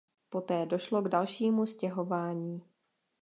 Poté došlo k dalšímu stěhování.